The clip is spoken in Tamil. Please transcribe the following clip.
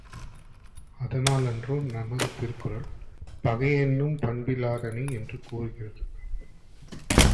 அதனாலன்றோ, நமது திருக்குறள் பகையென்னும் பண்பிலதனை என்று கூறுகிறது.